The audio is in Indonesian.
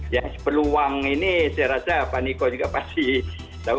ya peluang ini saya rasa pak niko juga pasti tahu